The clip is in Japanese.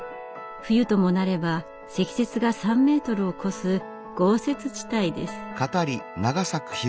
冬ともなれば積雪が３メートルを超す豪雪地帯です。